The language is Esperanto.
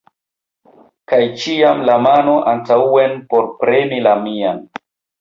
Kaj ĉiam la mano antaŭen por premi la mian!